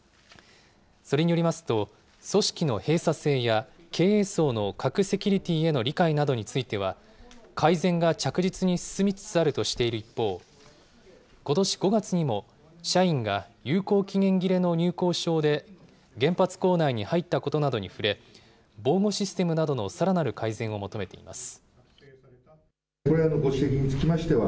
それによりますと、組織の閉鎖性や、経営層の核セキュリティへの理解などについては、改善が着実に進みつつあるとする一方、ことし５月にも、社員が有効期限切れの入構証で原発構内に入ったことなどに触れ、防護システムなどのさらなる改善を求めています。